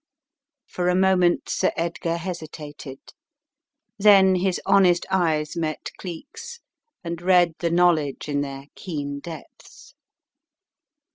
For a moment Sir Edgar hesitated. Then his honest eyes met Cleek's, and read the knowledge in their keen depths.